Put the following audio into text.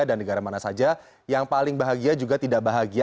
dan negara mana saja yang paling bahagia juga tidak bahagia